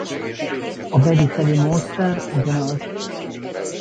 A beviteli módszer ugyanaz.